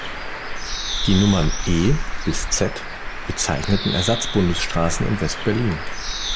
Die Nummern "E" bis "Z" bezeichneten Ersatz-Bundesstraßen in West-Berlin.